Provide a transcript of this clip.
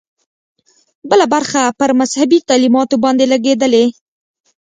بله برخه پر مذهبي تعلیماتو باندې لګېدله.